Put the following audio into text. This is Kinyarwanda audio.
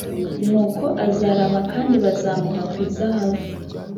nuko azarama kandi bazamuha ku izahabu